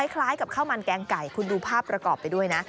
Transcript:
คล้ายกับข้าวมันแกงไก่คุณดูภาพประกอบไปด้วยนะ